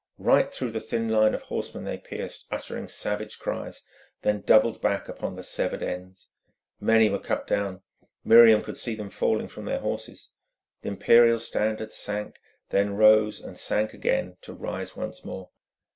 Right through the thin line of horsemen they pierced, uttering savage cries, then doubled back upon the severed ends. Many were cut down; Miriam could see them falling from their horses. The Imperial Standard sank, then rose and sank again to rise once more.